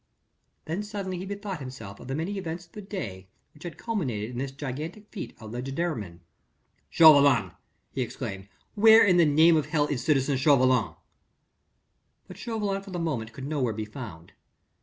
Then suddenly he bethought himself of the many events of the day which had culminated in this gigantic feat of leger de main. "Chauvelin!" he exclaimed. "Where in the name of h ll is citizen Chauvelin?" But Chauvelin for the moment could nowhere be found.